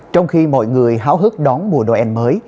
trong khi mọi người háo hức đón mùa noel mới